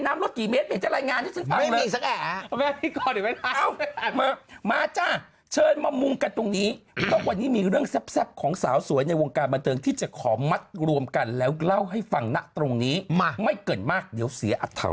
มาจ้ะเชิญมามุงกันตรงนี้วันนี้มีเรื่องแซ่บของสาวสวยในวงการบันเติมที่จะขอมัดรวมกันแล้วเล่าให้ฟังนะตรงนี้มาไม่เกิดมากเดี๋ยวเสียอธรรม